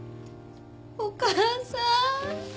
お母さん。